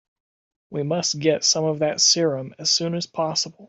We must get some of that serum as soon as possible.